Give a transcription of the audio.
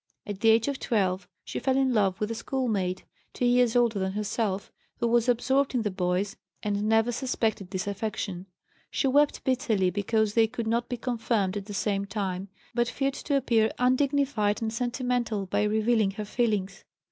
At the age of 12 she fell in love with a schoolmate, two years older than herself, who was absorbed in the boys and never suspected this affection; she wept bitterly because they could not be confirmed at the same time, but feared to appear undignified and sentimental by revealing her feelings.